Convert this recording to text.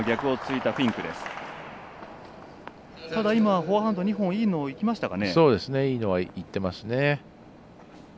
ただ、今フォアハンド２本いいのがいきましたね。